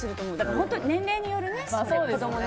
本当に年齢によるね。